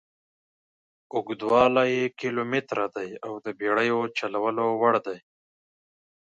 اوږدوالی یې کیلومتره دي او د بېړیو چلولو وړ دي.